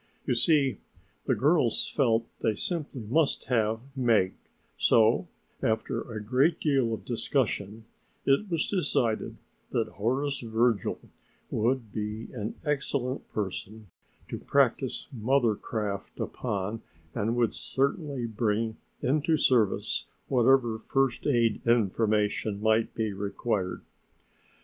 You see, the girls felt they simply must have Meg, so after a great deal of discussion it was decided that Horace Virgil would be an excellent person to practice mother craft upon and would certainly bring into service whatever first aid information might be required.